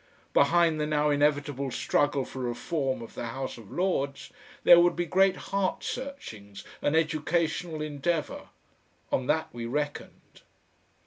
Behind the now inevitable struggle for a reform of the House of Lords, there would be great heart searchings and educational endeavour. On that we reckoned....